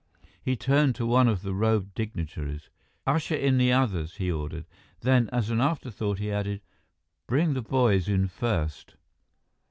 He turned to one of the robed dignitaries. "Usher in the others," he ordered. Then, as an afterthought, he added, "Bring the boys in first."